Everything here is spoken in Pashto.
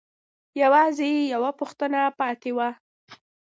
يوازې يوه پوښتنه پاتې وه.